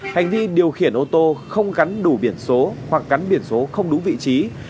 hành vi điều khiển ô tô không gắn đủ biển số hoặc gắn biển số không đúng vị trí